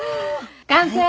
完成！